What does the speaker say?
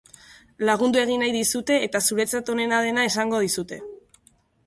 Lagundu egin nahi dizute eta zuretzat onena dena esango dizute.